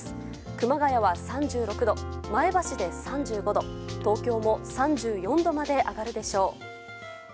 熊谷は３６度、前橋で３５度東京も３４度まで上がるでしょう。